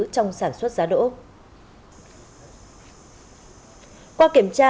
trong sản xuất giá đỗ